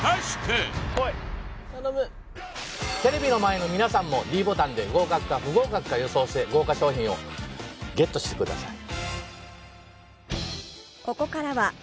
テレビの前の皆さんもｄボタンで合格か不合格か予想して豪華賞品をＧＥＴしてください